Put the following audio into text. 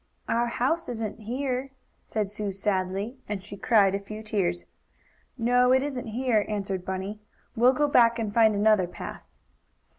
"Our house isn't here," said Sue, sadly, and she cried a few tears. "No, it isn't here," answered Bunny. "We'll go back and find another path."